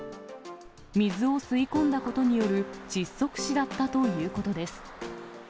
水を吸い込んだことによる窒息死だったということです。